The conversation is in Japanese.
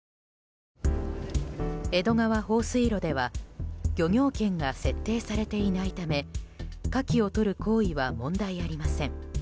江戸川放水路では漁業権が設定されていないためカキをとる行為は問題ありません。